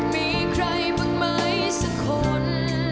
มีใครบ้างไหมสักคน